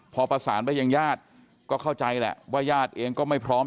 พอประสานไปยังญาติก็เข้าใจแหละว่าญาติเองก็ไม่พร้อม